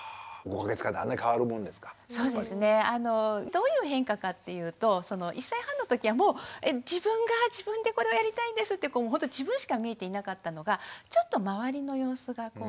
どういう変化かっていうと１歳半の時はもう自分が自分でこれをやりたいんですってほんとに自分しか見えていなかったのがちょっと周りの様子が見えてきて。